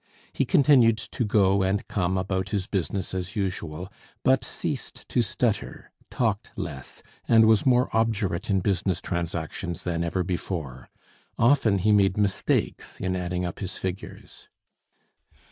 He continued to go and come about his business as usual; but ceased to stutter, talked less, and was more obdurate in business transactions than ever before. Often he made mistakes in adding up his figures.